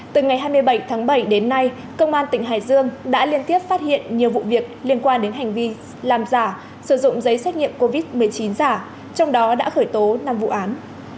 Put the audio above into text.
từ ngày hai mươi bảy tháng bảy đến nay công an tỉnh hải dương đã liên tiếp phát hiện nhiều vụ việc liên quan đến hành vi làm giả sử dụng giấy xét nghiệm covid một mươi chín giả trong đó đã khởi tố năm vụ án